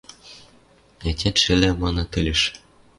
Ӓтятшӹ ӹлӓ манат ыльыш.